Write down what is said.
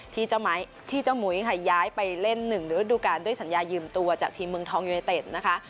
ที่เจ้ามุยค่ะย้ายไปเล่น๑ฤดูการด้วยสัญญายืมตัวจากทีมเมืองทองยูเนเต็ดนะคะ